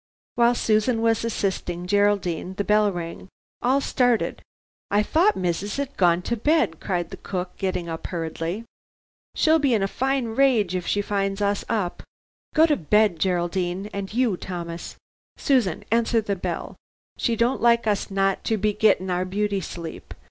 While Susan was assisting Geraldine, the bell rang. All started. "I thought missus had gone to bed," cried the cook, getting up hurriedly. "She'll be in a fine rage if she finds us up. Go to bed, Geraldine, and you, Thomas. Susan, answer the bell. She don't like us not to be gettin' our beauty sleep.